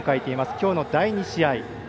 今日の第２試合。